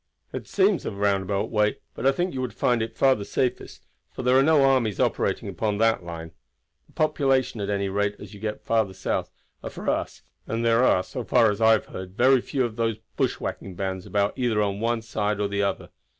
"It seems a roundabout way, but I think you would find it far the safest, for there are no armies operating upon that line. The population, at any rate as you get south, are for us, and there are, so far as I have heard, very few of these bushwhacking bands about either on one side or the other.